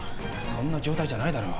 そんな状態じゃないだろ。